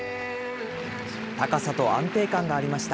高さと安定感がありました。